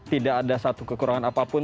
tidak ada satu kekurangan apapun